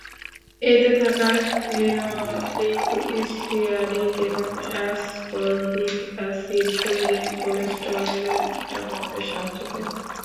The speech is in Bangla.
এতে থাকা লিনোলিক, স্টিয়ারিক এবং অ্যাসকরবিক অ্যাসিড শরীরের কোলেস্টেরলের মাত্রা কমাতে সাহায্য করে।